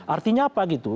artinya apa gitu